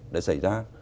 đã xảy ra